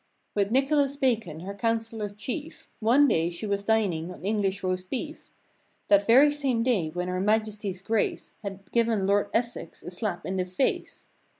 With Nicholas Bacon, her councillor chief, One day she was dining on English roast beef ; That very same day when her Majesty's Grace Had given Lord Essex a slap in the face.